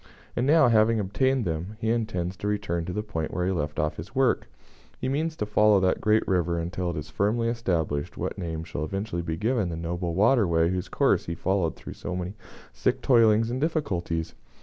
And now, having obtained them, he intends to return to the point where he left off work. He means to follow that great river until it is firmly established what name shall eventually be given the noble water way whose course he has followed through so many sick toilings and difficulties.